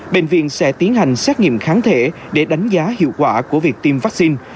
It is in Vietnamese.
bệnh viện sẽ tiến hành xét nghiệm kháng thể để đánh giá hiệu quả của việc tiêm vaccine